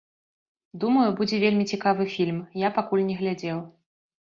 Думаю, будзе вельмі цікавы фільм, я пакуль не глядзеў.